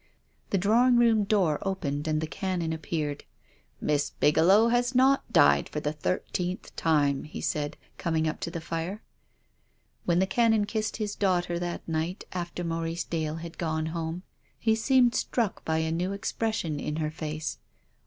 The drawing room door opened and the Canon appeared. " Miss Bigelow has not died for the thirteenth tine," he said, coming up to the fire. When the Canon kissed his daughter that night, after Maurice Dale had gone home, he seemed struck by a new expression in her face.